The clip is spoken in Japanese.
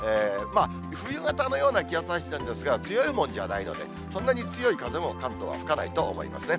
冬型のような気圧配置なんですが、強いものではないので、そんなに強い風も、関東は吹かないと思いますね。